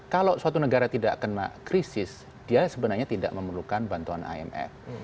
kalau suatu negara tidak kena krisis dia sebenarnya tidak memerlukan bantuan imf